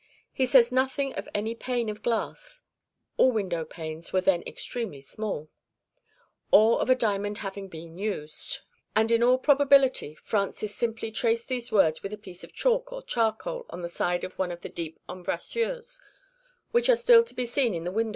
(2) He says nothing of any pane of glass (all window panes were then extremely small) or of a diamond having been used; (3) and in all probability Francis simply traced these words with a piece of chalk or charcoal on the side of one of the deep embrasures, which are still to be seen in the windows of the château.